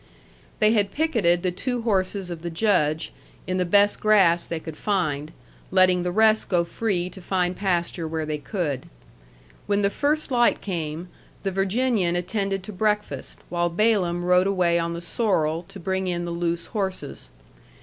They had picketed the two horses of the Judge in the best grass they could find, letting the rest go free to find pasture where they could. When the first light came, the Virginian attended to breakfast, while Balaam rode away on the sorrel to bring in the loose horses.